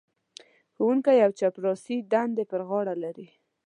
ښوونکی او چپړاسي دندې پر غاړه لري.